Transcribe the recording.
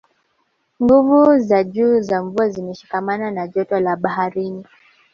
nguvu za juu za mvua zimeshikamana na joto la baharini